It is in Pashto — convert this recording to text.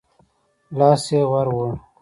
لاس يې ور ووړ.